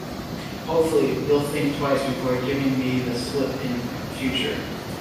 Hopefully, you'll think twice before giving me the slip in future.